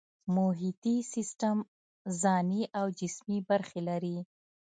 محیطي سیستم ځانی او جسمي برخې لري